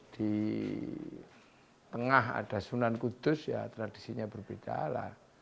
di tengah ada sunan kudus ya tradisinya berbeda lah